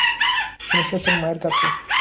তিনি এসেছেন মায়ের কাছে।